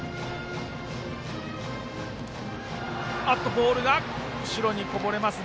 ボールが後ろにこぼれました。